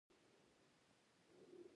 که څه هم زه نغواړم